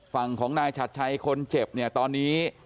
ฝั่งของนายชัดชัยคนเจ็บเนี่ยตอนนี้